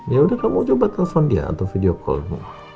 yaudah kamu coba telepon dia atau video call